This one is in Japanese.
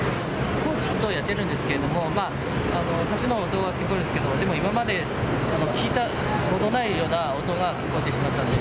工事をやってるんですけれども、多少の音は聞こえるんですけれども、でも今まで聞いたことないような音が聞こえてしまったんで。